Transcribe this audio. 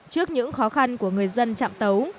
trước những khó khăn của người dân trạm tấu